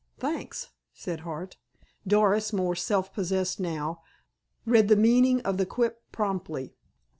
"Thanks," said Hart. Doris, more self possessed now, read the meaning of the quip promptly.